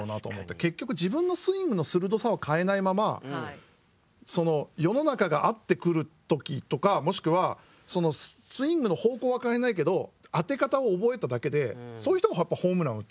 結局自分のスイングの鋭さを変えないまま世の中が合ってくる時とかもしくはそのスイングの方向は変えないけど当て方を覚えただけでそういう人がやっぱホームランを打つんですよ。